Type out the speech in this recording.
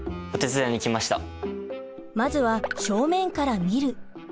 まずは正面から見る。